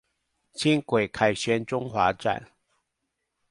輕軌凱旋中華站